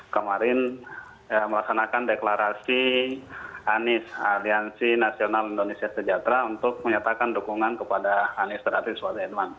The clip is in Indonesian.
kemarin melaksanakan deklarasi anis aliansi nasional indonesia sejahtera untuk menyatakan dukungan kepada anis terhadap suhaid man